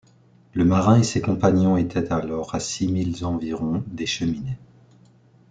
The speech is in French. Le marin et ses compagnons étaient alors à six milles environ des Cheminées